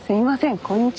こんにちは。